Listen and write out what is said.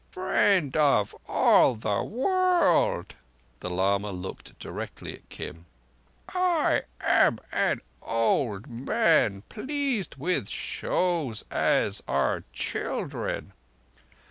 "Friend of all the World,"—the lama looked directly at Kim—"I am an old man—pleased with shows as are children.